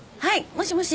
もしもし。